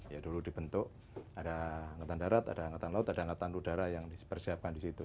ya dulu dibentuk ada hangatan darat ada hangatan laut ada hangatan udara yang disiapkan di situ